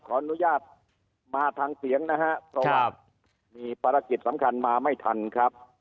ขออนุญาตมาทางเสียงนะฮะเพราะว่ามีภารกิจสำคัญมาไม่ทันครับ